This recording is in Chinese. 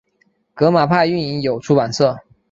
革马派运营有出版社。